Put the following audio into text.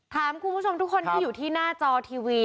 ถามคุณผู้ชมทุกคนที่อยู่ที่หน้าจอทีวี